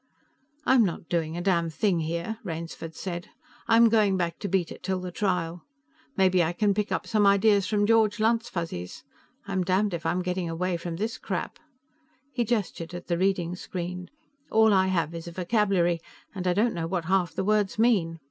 "I'm not doing a damn thing here," Rainsford said. "I'm going back to Beta till the trial. Maybe I can pick up some ideas from George Lunt's Fuzzies. I'm damned if I'm getting away from this crap!" He gestured at the reading screen. "All I have is a vocabulary, and I don't know what half the words mean."